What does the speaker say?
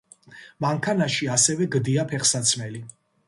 მანქანაში ასევე გდია ფეხსაცმელი.